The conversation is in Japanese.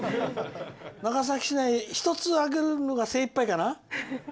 長崎市内１つ上げるのが精いっぱいかな。